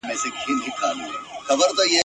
در نیژدې دي هم تر ځان یم هم تر روح، تر نفسونو !.